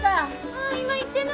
あー今行ってな。